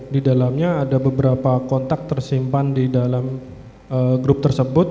di dalamnya ada beberapa kontak tersimpan di dalam grup tersebut